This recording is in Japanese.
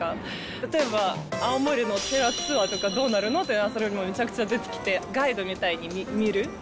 例えば、青森のお寺ツアーとかどうなるのって、めちゃくちゃ出てきて、ガイドみたいに見る。